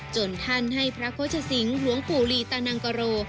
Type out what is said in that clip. ท่านให้พระโฆษสิงศ์หลวงปู่ลีตานังกโร